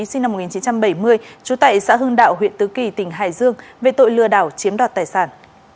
sinh năm một nghìn chín trăm bảy mươi trú tại xã hương đạo huyện tứ kỳ tỉnh hải dương về tội lừa đảo chiếm đoạt tài sản